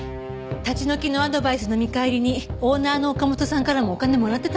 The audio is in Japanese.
立ち退きのアドバイスの見返りにオーナーの岡本さんからもお金もらってたんだって？